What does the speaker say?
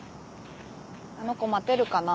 あの子待てるかな？